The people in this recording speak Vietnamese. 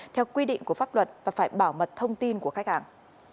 theo quy định của pháp luật và phải bảo mật thông tin của khách hàng